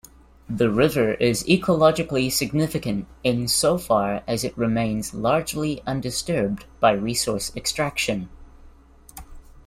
The river is ecologically significant insofar as it remains largely undisturbed by resource extraction.